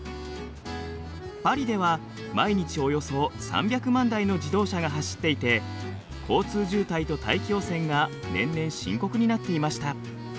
パリでは毎日およそ３００万台の自動車が走っていて交通渋滞と大気汚染が年々深刻になっていました。